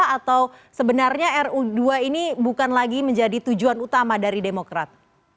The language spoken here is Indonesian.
atau sebenarnya ru dua ini bukan lagi menjadi tujuan utama dari demokrat